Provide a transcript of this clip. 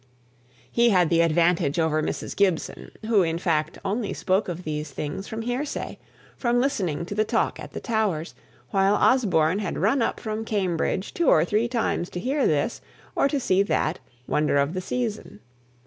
He had the advantage over Mrs. Gibson, who, in fact, only spoke of these things from hearsay, from listening to the talk at the Towers, while Osborne had run up from Cambridge two or three times to hear this, or to see that wonder of the season.